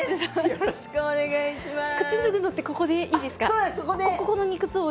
よろしくお願いします！